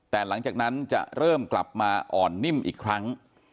แต่หลังจากนั้นจะเริ่มกลับมาอ่อนนิ่มอีกครั้ง